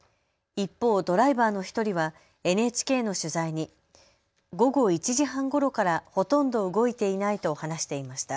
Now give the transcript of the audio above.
一方、ドライバーの１人はＮＨＫの取材に午後１時半ごろからほとんど動いていないと話していました。